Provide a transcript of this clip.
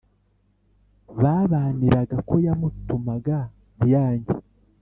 babaniraga ko yamutumaga ntiyange.